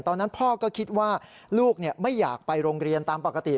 ตอนนั้นพ่อก็คิดว่าลูกไม่อยากไปโรงเรียนตามปกติ